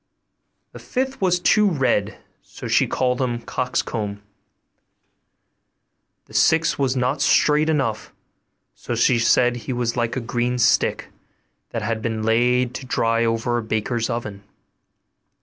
The fifth was too red, so she called him 'Coxcomb.' The sixth was not straight enough; so she said he was like a green stick, that had been laid to dry over a baker's oven.